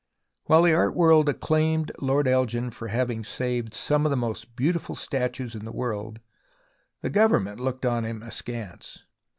While the art world acclaimed Lord Elgin for having saved some of the most beautiful statues in the world, the Government looked upon him askance.